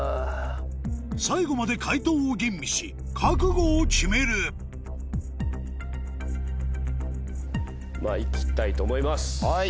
最後まで解答を吟味し覚悟を決めるいきたいと思います。